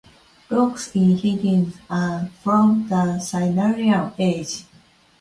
Rocks in Higgins are from the Silurian age.